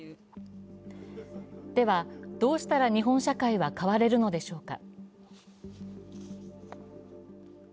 では、どうしたら日本社会は変われるのでしょうか。